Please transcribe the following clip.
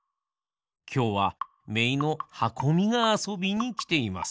きょうはめいのはこみがあそびにきています。